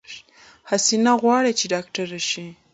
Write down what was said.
حسينه غواړی چې ډاکټره شی